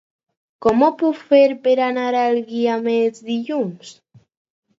Com ho puc fer per anar als Guiamets dilluns?